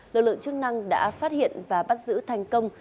lực lượng chức năng đã phát hiện và bắt giữ thành công